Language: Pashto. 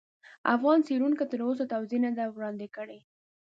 افغان څېړونکو تر اوسه توضیح نه دي وړاندې کړي.